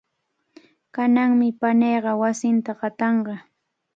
Kananmi paniiqa wasinta qatanqa.